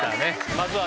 まずは。